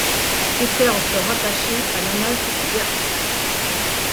Ses terres sont rattachées à l'Anhalt-Zerbst.